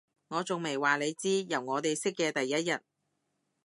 我仲未話你知，由我哋識嘅第一日